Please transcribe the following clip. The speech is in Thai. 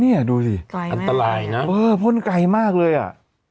นี่เอ้ดูสิไก่ไหมอันตรายเนาะโอ้พ่ไกรมากเลยอ่ะ